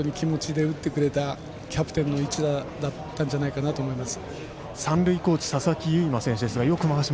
本当に気持ちで打ってくれたキャプテンの一打だったんじゃないかなと思います。